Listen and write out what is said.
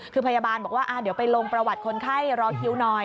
คือพยาบาลบอกว่าเดี๋ยวไปลงประวัติคนไข้รอคิวหน่อย